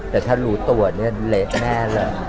แต่ถ้ารู้ตัวเนี่ยเละแน่เลย